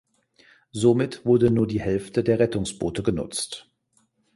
Somit wurde nur die Hälfte der Rettungsboote genutzt.